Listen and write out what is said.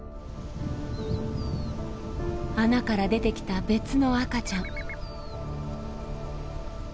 穴から出てきた別の赤ちゃん。